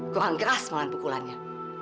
kurang keras malah pukulannya